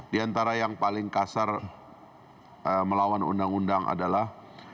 di antara yang paling kasar melawan undang undang adalah